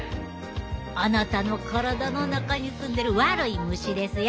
あなたの体の中に住んでる悪い虫ですよ！